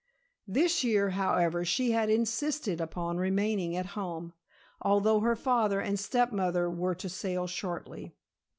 This year, however, she had insisted upon remaining at home, although her father and step mother were to sail shortly.